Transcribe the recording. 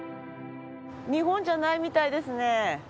日本じゃないみたいですね。